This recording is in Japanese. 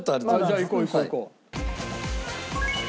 じゃあいこういこういこう。